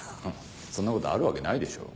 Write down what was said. そんなことあるわけないでしょ。